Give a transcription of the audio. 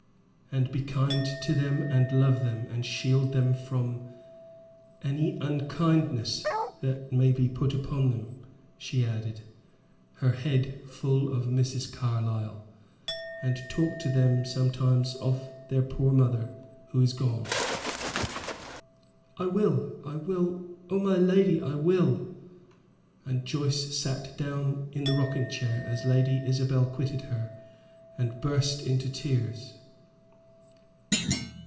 "And be kind to them and love them, and shield them from from any unkindness that may be put upon them," she added, her head full of Miss Carlyle, "and talk to them sometimes of their poor mother, who is gone?" "I will, I will oh my lady, I will!" And Joyce sat down in the rocking chair as Lady Isabel quitted her, and burst into tears.